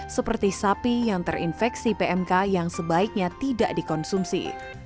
seperti sapi yang terinfeksi pmk yang sebaiknya tidak dikonsumsi